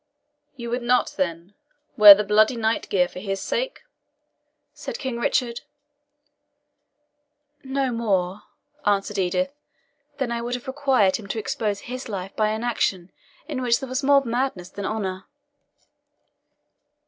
"You would not, then, wear the bloody night gear for his sake?" said King Richard. "No more," answered Edith, "than I would have required him to expose his life by an action in which there was more madness than honour."